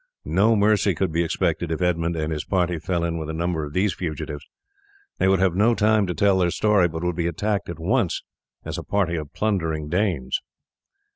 No mercy could be expected if Edmund and his party fell in with a number of these fugitives. They would have no time to tell their story, but would be attacked at once as a party of plundering Danes.